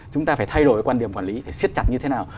chúng ta phải thay đổi quan điểm quản lý phải siết chặt như thế nào